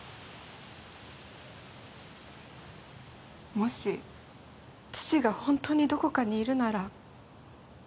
もし父がホントにどこかにいるなら